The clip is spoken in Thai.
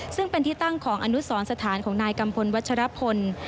ซึ่งเป็นที่ตั้งของอนุสรสถานของนายกัมพลวัชรพล